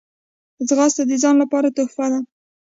ځغاسته د ځان لپاره تحفه ده